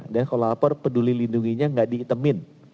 dan kalau lapor peduli lindunginya gak diitemin